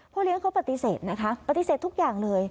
เลี้ยงเขาปฏิเสธนะคะปฏิเสธทุกอย่างเลย